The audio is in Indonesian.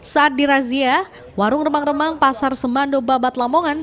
saat dirazia warung remang remang pasar semando babat lamongan